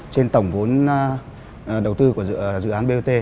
trên tổng vốn đầu tư của dự án bot